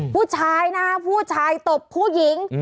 ผู้ชายนะผู้ชายตบผู้หญิง